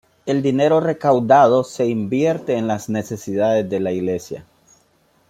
El dinero recaudado se invierte en las necesidades de la iglesia.